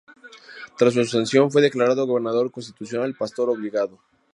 Tras su sanción fue declarado gobernador constitucional Pastor Obligado.